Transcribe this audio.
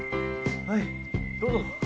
はいどうぞ。